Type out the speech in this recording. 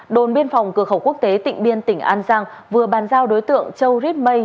đồn biên phòng cửa khẩu quốc tế tịnh biên tỉnh an giang vừa bàn giao đối tượng châu rít mây